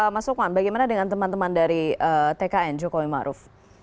mas lukman bagaimana dengan teman teman dari tkn jokowi ⁇ maruf ⁇